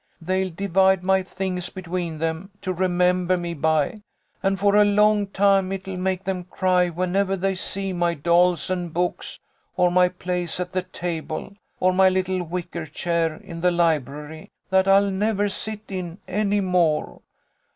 They'll divide my things between them to remember me by, and for a long time it'll make them cry whenever they see my dolls and books, or my place at the table, or my little wicker chair in the library, that I'll never sit in any more.